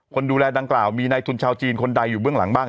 คนดูแลดังกล่าวมีในทุนชาวจีนคนใดอยู่เบื้องหลังบ้าง